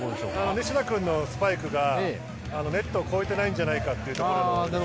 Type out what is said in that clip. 西田君のスパイクがネットを越えていないんじゃないかというところでしょう。